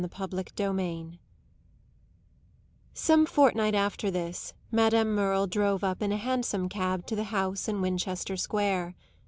CHAPTER XX Some fortnight after this Madame Merle drove up in a hansom cab to the house in Winchester Square.